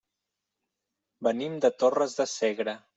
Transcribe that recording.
Venim de Torres de Segre.